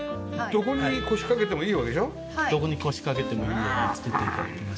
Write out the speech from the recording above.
どこに腰掛けてもいいように作って頂きました。